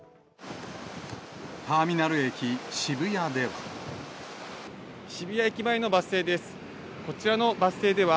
ターミナル駅、渋谷では。